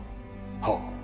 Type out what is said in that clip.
はっ。